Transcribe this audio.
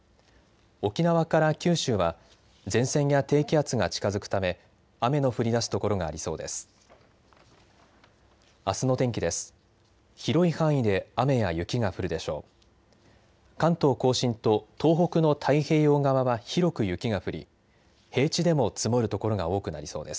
沖縄から九州は前線や低気圧が近づくため雨の降りだす所がありそうです。